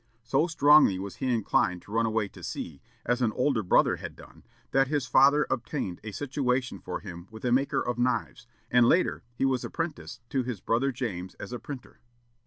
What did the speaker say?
So strongly was he inclined to run away to sea, as an older brother had done, that his father obtained a situation for him with a maker of knives, and later he was apprenticed to his brother James as a printer.